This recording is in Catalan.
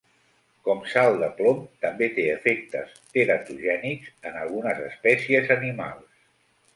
Com sal de plom, també té efectes teratogènics en algunes espècies animals.